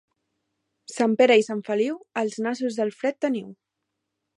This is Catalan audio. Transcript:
Sant Pere i Sant Feliu, als nassos el fred teniu.